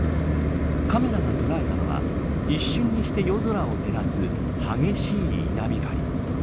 カメラが捉えたのは一瞬にして夜空を照らす激しい稲光。